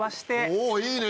おいいね！